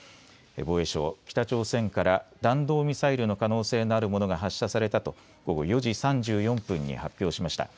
防衛省、北朝鮮から弾道ミサイルの可能性のあるものが発射されたと午後４時３４分に発表しました。